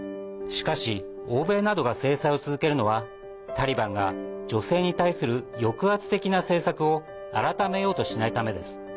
しかし、欧米などが制裁を続けるのはタリバンが女性に対する抑圧的な政策を改めようとしないためです。